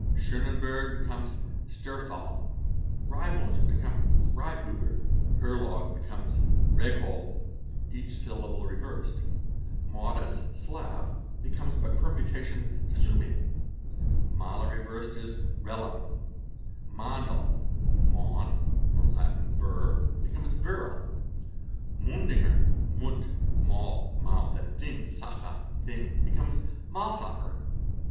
Sonnenberg becomes Sterhthal; | Reimoser becomes Reinhuber ; Herlog becomes Rehgol (each syllable reversed); Maudis (Slav) becomes by permutation Daswmi; Maller re versed is Rellam; Mandl— (Maun=Latin Vir) becomes Virl; Mundinger (Mund—Maul=mouth and Ding=Sache=thing) becomes Maulsacher.